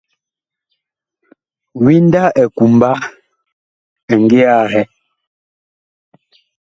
Winda ɛ kumba ɛ ngi ahɛ .